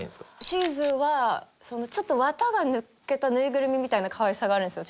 シーズーはちょっと綿が抜けたぬいぐるみみたいなかわいさがあるんですよ。